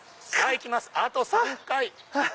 あと３回！